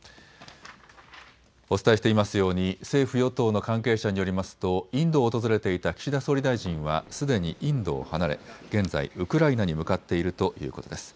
お伝えしていますように政府与党の関係者によりますとインドを訪れていた岸田総理大臣はすでにインドを離れ現在ウクライナに向かっているということです。